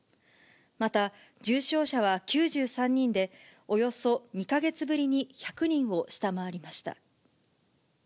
また、重症者は９３人で、およそ２か月ぶりに１００人を下回りました。